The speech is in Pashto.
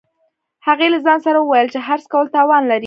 هغې له ځان سره وویل چې حرص کول تاوان لري